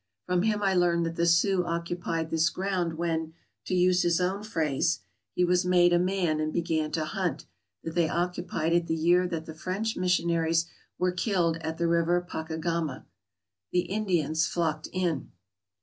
From him I learned that the Sioux occupied this ground when, to use his own phrase, "He was made a man and began to hunt; that they occupied it the year that the French missionaries were killed at the river Pacagama. " The Indians flocked in.